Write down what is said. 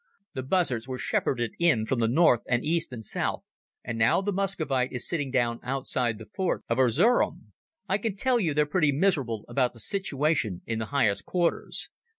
The Buzzards were shepherded in from north and east and south, and now the Muscovite is sitting down outside the forts of Erzerum. I can tell you they're pretty miserable about the situation in the highest quarters